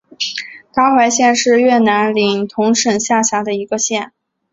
达怀县是越南林同省下辖的一个县。